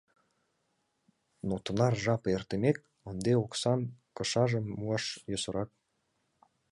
Но тынар жап эртымек, ынде оксан кышажым муаш йӧсырак.